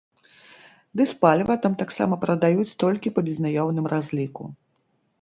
Дызпаліва там таксама прадаюць толькі па безнаяўным разліку.